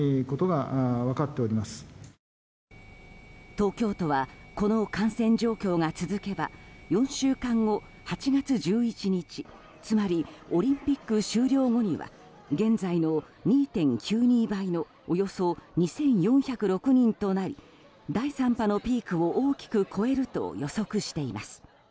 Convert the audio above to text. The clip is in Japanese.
東京都はこの感染状況が続けば４週間後、８月１１日つまりオリンピック終了後には現在の２．９２倍のおよそ２４０６人となり第３波のピークを大きく越えると予測しています。